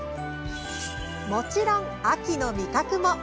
もちろん秋の味覚も。